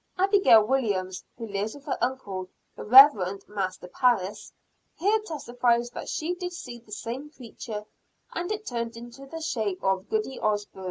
("Abigail Williams, who lives with her uncle, the Rev. Master Parris, here testified that she did see the same creature, and it turned into the shape of Goody Osburn.")